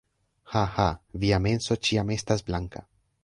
Haha. Via menso ĉiam estas blanka